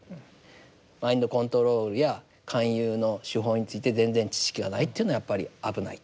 マインドコントロールや勧誘の手法について全然知識がないというのはやっぱり危ない。